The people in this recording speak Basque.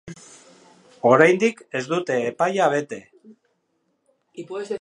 Oraindik ez dute epaia bete.